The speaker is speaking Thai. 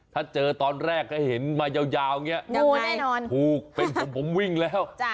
ถ้าเจอตอนแรกก็เห็นมายาวอย่างนี้ถูกเป็นผมผมวิ่งแล้ว